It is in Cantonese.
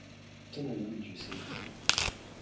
真係忍唔住唔笑